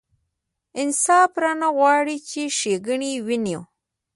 انصاف رانه غواړي چې ښېګڼې وینو.